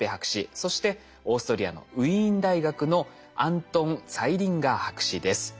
そしてオーストリアのウィーン大学のアントン・ツァイリンガー博士です。